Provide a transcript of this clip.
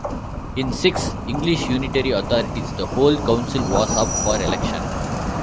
In six English Unitary authorities, the whole council was up for election.